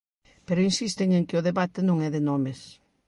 Pero insisten en que o debate non é de nomes.